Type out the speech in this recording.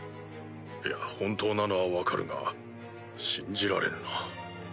いや本当なのは分かるが信じられぬな。